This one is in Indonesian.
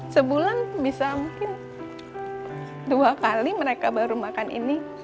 sebulan bisa mungkin dua kali mereka baru makan ini